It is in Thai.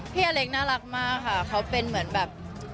อเล็กน่ารักมากค่ะเขาเป็นเหมือนแบบ